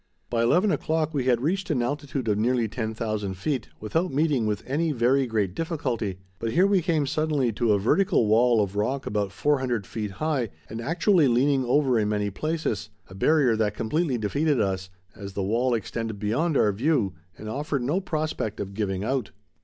By eleven o'clock we had reached an altitude of nearly 10,000 feet without meeting with any very great difficulty, but here we came suddenly to a vertical wall of rock about 400 feet high and actually leaning over in many places, a barrier that completely defeated us, as the wall extended beyond our view and offered no prospect of giving out.